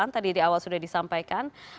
tadi di awal sudah disampaikan